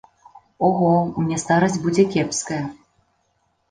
Ого, мне старасць будзе кепская.